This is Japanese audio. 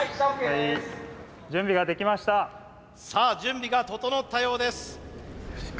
さあ準備が整ったようです。